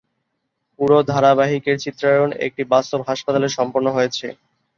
পুরো ধারাবাহিকের চিত্রায়ন একটি বাস্তব হাসপাতালে সম্পন্ন হয়েছে।